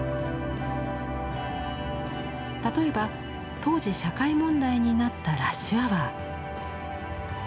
例えば当時社会問題になったラッシュアワー。